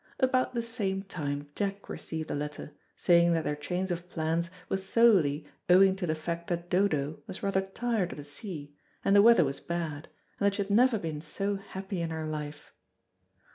About the same time Jack received a letter, saying that their change of plans was solely owing to the fact that Dodo was rather tired of the sea, and the weather was bad, and that she had never been so happy in her life.